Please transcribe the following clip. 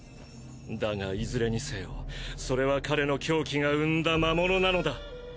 だがいずれにせよそれは彼の狂気が生んだ魔物なのだ。